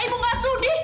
ibu gak sudi